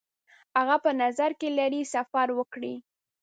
هغه په نظر کې لري سفر وکړي.